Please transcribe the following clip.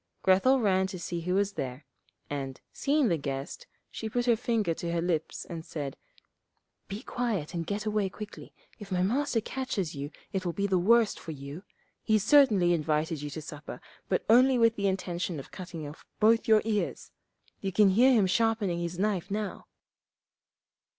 Grethel ran to see who was there, and, seeing the guest, she put her finger to her lips and said, 'Be quiet, and get away quickly; if my Master catches you it will be the worse for you. He certainly invited you to supper, but only with the intention of cutting off both your ears. You can hear him sharpening his knife now.'